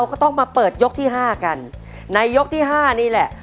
คนที่๕นี้แหละ